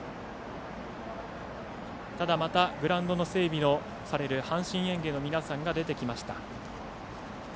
ただ、グラウンドの整備をされる阪神園芸の皆さんが出てきました。